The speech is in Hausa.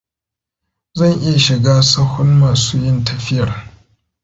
Zan iya shiga sahun masu yin tafiyar.